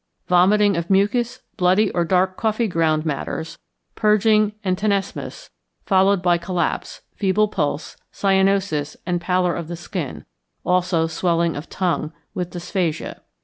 Vomiting of mucus, bloody or dark coffee ground matters, purging and tenesmus, followed by collapse, feeble pulse, cyanosis and pallor of the skin; also swelling of tongue, with dysphagia.